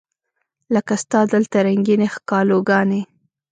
لکه ستا دلته رنګینې ښکالو ګانې